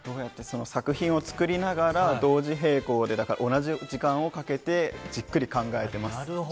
作品を作りながら同時並行で同じ時間をかけてじっくり考えています。